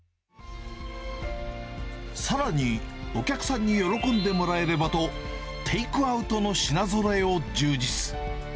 さらに、お客さんに喜んでもらえればと、テイクアウトの品ぞろえを充実。